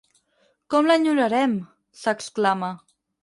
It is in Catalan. Com l'enyorarem! —s'exclama.